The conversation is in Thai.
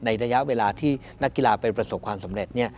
ระยะเวลาที่นักกีฬาเป็นประสบความสำเร็จ